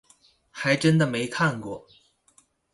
還真的沒看過